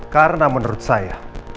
karena menurut saya